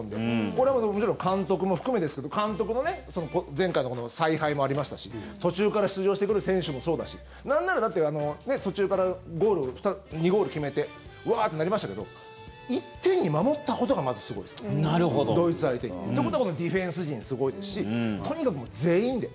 これはもちろん監督も含めですけど監督の前回の采配もありましたし途中から出場してくる選手もそうだしなんなら、だって途中から２ゴール決めてワーッてなりましたけど１点に守ったことがまずすごいです、ドイツ相手に。ということはこのディフェンス陣すごいですしとにかく全員で。